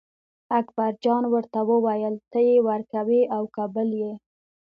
اکبرجان ورته وویل ته یې ورکوې او که بل یې.